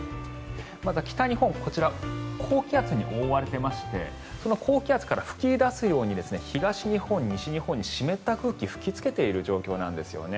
まずは北日本こちら高気圧に覆われていましてその高気圧から吹き出すように東日本、西日本に湿った空気が吹きつけている状況なんですね。